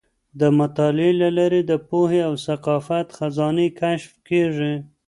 د مطالعې له لارې د پوهې او ثقافت خزانې کشف کیږي.